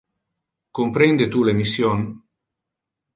Comprende tu le mission?